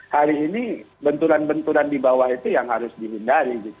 hari ini benturan benturan di bawah itu yang harus dihindari